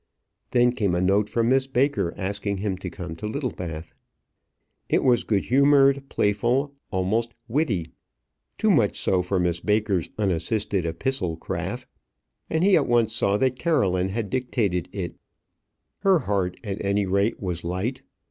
Then came a note from Miss Baker, asking him to come to Littlebath. It was good humoured, playful, almost witty; too much so for Miss Baker's unassisted epistle craft, and he at once saw that Caroline had dictated it. Her heart at any rate was light.